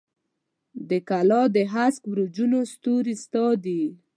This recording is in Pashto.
د کلا د هسک برجونو ستوري ستا دي